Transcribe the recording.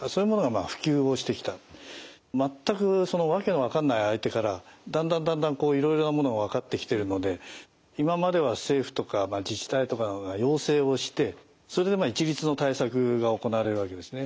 まったく訳の分かんない相手からだんだんだんだんいろいろなものが分かってきてるので今までは政府とか自治体とかが要請をしてそれで一律の対策が行われるわけですね。